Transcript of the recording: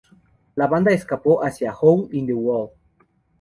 La banda escapó hacia Hole-In-The-Wall.